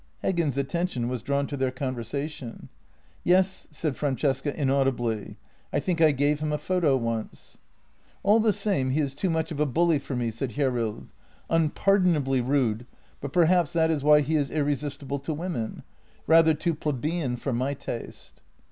Heggen's attention was drawn to their conversation. " Yes," said Francesca inaudibly; " I think I gave him a photo once." " All the same, he is too much of a bully for me," said Hjer rild, " unpardonably rude, but perhaps that is why he is ir resistible to women. Rather too plebeian for my taste."